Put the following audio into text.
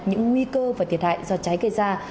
những nguy cơ và thiệt hại do cháy gây ra